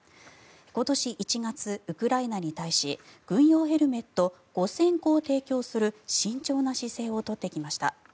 今年１月ウクライナに対し軍用ヘルメット５０００個を提供する慎重な姿勢を取ってきました。